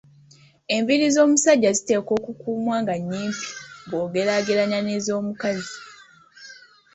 Enviiri z'omusajja ziteekwa okukuumwa nga nnyimpi bwogerageranya n'ezomukazi.